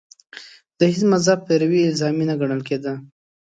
د هېڅ مذهب پیروي الزامي نه ګڼل کېده